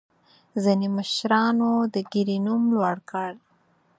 ځینې مشرانو د ګیرې نوم لوړ کړ.